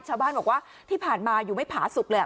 ชาวบ้านบอกว่าที่ผ่านมาอยู่ไม่ผาสุกเลย